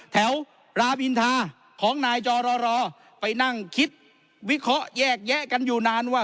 แถวรามอินทาของนายจอรไปนั่งคิดวิเคราะห์แยกแยะกันอยู่นานว่า